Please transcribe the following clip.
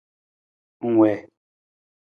Ng wii.